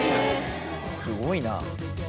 すごいな。